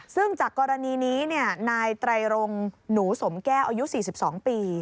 ซึ่งจากกรณีนี้นายไตรรงหนูสมแก้วอายุ๔๒ปี